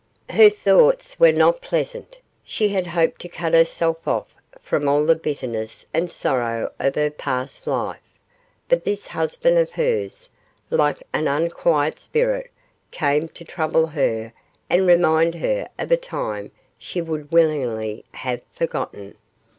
Her thoughts were not pleasant. She had hoped to cut herself off from all the bitterness and sorrow of her past life, but this husband of hers, like an unquiet spirit, came to trouble her and remind her of a time she would willingly have forgotten.